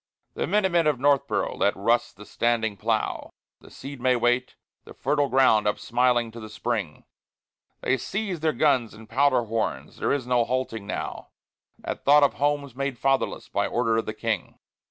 The Minute Men of Northboro' let rust the standing plough, The seed may wait, the fertile ground up smiling to the spring. They seize their guns and powder horns; there is no halting now, At thought of homes made fatherless by order of the King.